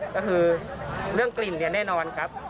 ก็คือเรื่องกลิ่นเนี่ยแน่นอนครับ